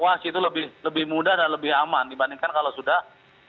ya baik terima kasih